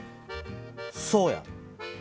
そうや！